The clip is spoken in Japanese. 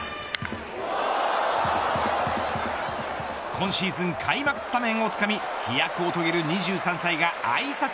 今シーズン開幕スタメンをつかみ飛躍を遂げる２３歳があいさつ